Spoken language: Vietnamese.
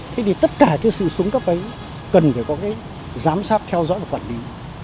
thế thì tất cả cái sự xuống cấp ấy cần phải có cái giám sát theo dõi và quản lý